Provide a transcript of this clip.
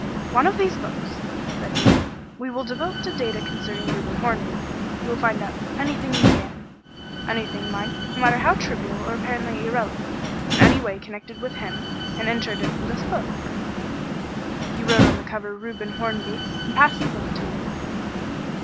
"One of these books," said he, "we will devote to data concerning Reuben Hornby. You will find out anything you can anything, mind, no matter how trivial or apparently irrelevant in any way connected with him and enter it in this book." He wrote on the cover "Reuben Hornby" and passed the book to me.